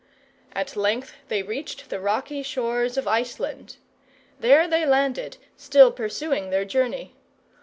At length they reached the rocky shores of Iceland. There they landed, still pursuing their journey.